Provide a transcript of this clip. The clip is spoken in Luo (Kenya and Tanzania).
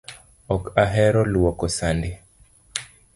Ok ahero luoko sande